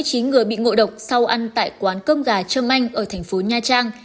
trong tháng ba có ba trăm sáu mươi chín người bị ngộ độc sau ăn tại quán cơm gà ở thành phố nha trang